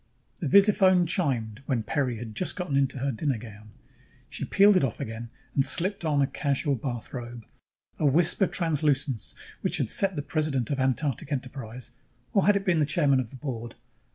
The visiphone chimed when Peri had just gotten into her dinner gown. She peeled it off again and slipped on a casual bathrobe: a wisp of translucence which had set the president of Antarctic Enterprise or had it been the chairman of the board?